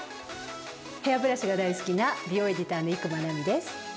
ヘアブラシが大好きな美容エディターの伊熊奈美です。